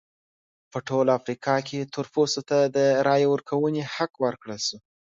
په ټوله افریقا کې تور پوستو ته د رایې ورکونې حق ورکړل شو.